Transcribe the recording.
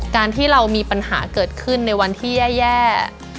การที่เรามีปัญหาเกิดขึ้นในวันที่แย่